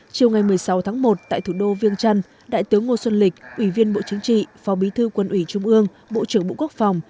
chiều ngày một mươi sáu tháng một tại thủ đô viêng trăn đại tướng ngô xuân lịch ủy viên bộ chính trị phó bí thư quân ủy trung ương bộ trưởng bộ quốc phòng